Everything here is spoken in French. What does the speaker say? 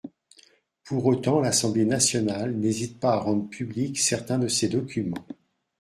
Pour autant, l’Assemblée nationale n’hésite pas à rendre publics certains de ses documents.